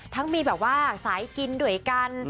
มีแบบว่าสายกินด้วยกัน